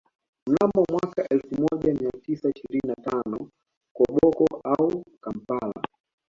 Mnamo mwaka elfu moja mia tisa ishirini na tano Koboko au Kampala